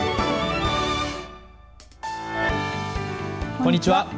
こんにちは。